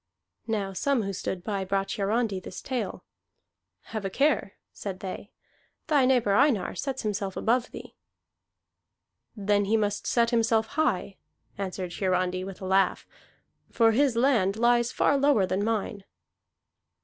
Now some who stood by brought Hiarandi this tale. "Have a care," said they. "Thy neighbor Einar sets himself above thee." "Then he must set himself high," answered Hiarandi with a laugh, "for his land lies far lower than mine."